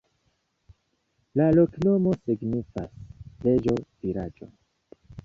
La loknomo signifas: reĝo-vilaĝo.